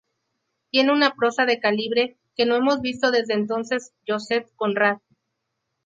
Tiene una prosa del calibre que no hemos visto desde entonces Joseph Conrad.